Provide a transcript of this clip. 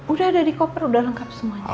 udah ada di koper udah lengkap semuanya